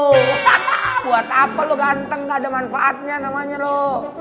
buat apa lo ganteng gak ada manfaatnya namanya lo